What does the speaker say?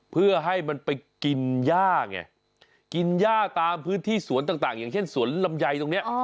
เพื่อให้มันไปกินย่าไงกินย่าตามพื้นที่สวนต่างอย่างเช่นสวนลำไยตรงนี้